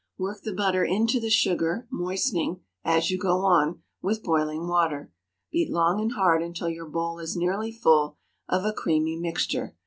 Work the butter into the sugar, moistening, as you go on, with boiling water. Beat long and hard until your bowl is nearly full of a creamy mixture.